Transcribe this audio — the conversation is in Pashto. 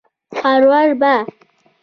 هروار به